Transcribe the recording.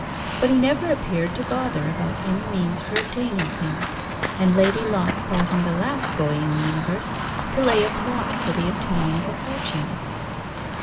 But he never appeared to bother about any means for obtaining things, and Lady Locke thought him the last boy in the universe to lay a plot for the obtaining of a fortune.